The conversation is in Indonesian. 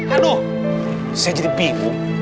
aduh saya jadi bingung